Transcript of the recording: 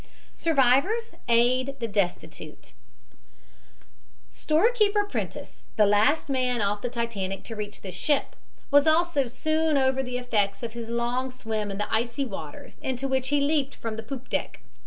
SURVIVORS AID THE DESTITUTE Storekeeper Prentice, the last man off the Titanic to reach this ship, was also soon over the effects of his long swim in the icy waters into which he leaped from the poop deck.